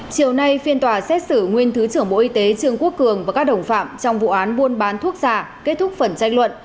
chiều nay phiên tòa xét xử nguyên thứ trưởng bộ y tế trương quốc cường và các đồng phạm trong vụ án buôn bán thuốc giả kết thúc phần tranh luận